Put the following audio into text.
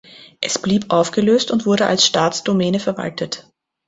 Es blieb aufgelöst und wurde als Staatsdomäne verwaltet.